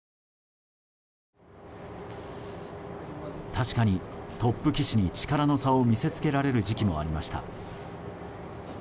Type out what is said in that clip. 確かに、トップ棋士に力の差を見せつけられる時期もありました。